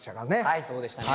はいそうでしたね。